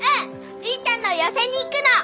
じいちゃんの寄席に行くの！